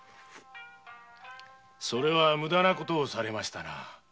それは無駄なことをされましたな。